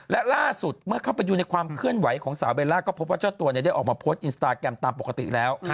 และล่าสุดเมื่อเข้าไปดูในความเคลื่อนไหวของสาวเบลล่าก็พบว่าเจ้าตัวได้ออกมาโพสต์อินสตาแกรมตามปกติแล้ว